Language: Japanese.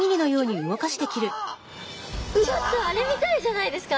ちょっとあれみたいじゃないですか。